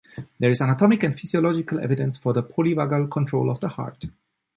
There is anatomic and physiological evidence for a polyvagal control of the heart.